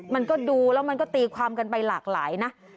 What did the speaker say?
มันก็ดูแล้วมันก็ตีความกันไปหลากหลายนะ